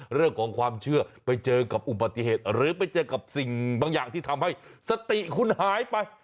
เรื่องของความเชื่อไปเจอกับอุบัติเหตุหรือไปเจอกับสิ่งบางอย่างที่ทำให้สติคุณหายไป